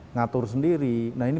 ngatur sendiri nah ini